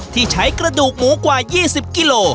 ที่ใช้กระดูกหมูกว่า๒๐กิโล